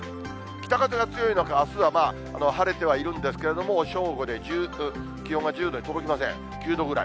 北風が強いのか、あすは晴れてはいるんですけれども、正午で気温が１０度に届きません、９度ぐらい。